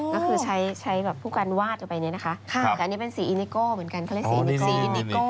ก็คือใช้แบบผู้การวาดออกไปเนี่ยนะคะแต่อันนี้เป็นสีอีนิโก้เหมือนกันเขาเรียกสีอินิโก้